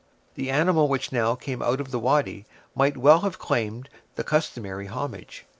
The animal which now came out of the wady might well have claimed the customary homage.